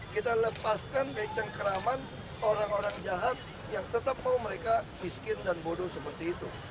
kita lepaskan dari cengkeraman orang orang jahat yang tetap mau mereka miskin dan bodoh seperti itu